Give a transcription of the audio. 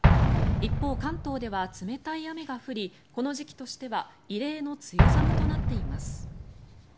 一方、関東では冷たい雨が降りこの時期としては異例の梅雨寒となっています。